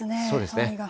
そうですね。